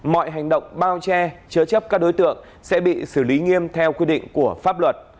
mọi hành động bao che chứa chấp các đối tượng sẽ bị xử lý nghiêm theo quy định của pháp luật